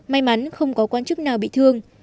may mắn không có quan chức nào bị thương